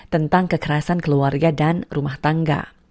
tentang kekerasan keluarga dan rumah tangga